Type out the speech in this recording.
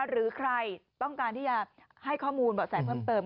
๐๙๗๑๔๑๕๗๗๗หรือใครต้องการที่จะให้ข้อมูลเบาะแสเพิ่ม